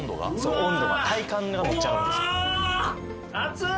温度が体感がめっちゃ上がるんですよ